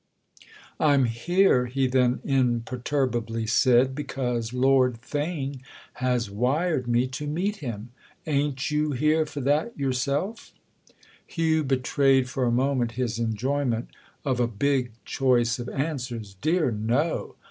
"I'm here," he then imperturbably said, "because Lord Theign has wired me to meet him. Ain't you here for that yourself?" Hugh betrayed for a moment his enjoyment of a "big" choice of answers. "Dear, no!